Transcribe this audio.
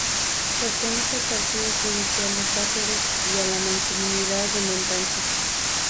Pertenece al partido judicial de Cáceres y a la mancomunidad de Montánchez.